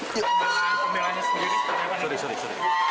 pembelan pembelan sendiri pak